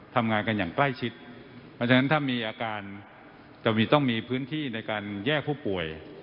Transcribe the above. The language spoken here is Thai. ทำงานกันอย่างใกล้ชิดเพราะฉะนั้นถ้ามีอาการจะต้องมีพื้นที่ในการแยกผู้ป่วย